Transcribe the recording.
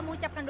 saya tak mau